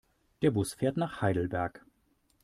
Der Bus fährt nach Heidelberg